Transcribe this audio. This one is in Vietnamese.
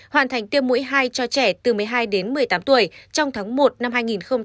hoàn thành tiêm mũi hai cho trẻ từ một mươi hai đến một mươi tám tuổi trong tháng một năm hai nghìn hai mươi